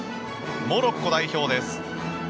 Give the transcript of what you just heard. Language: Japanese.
モロッコ代表です。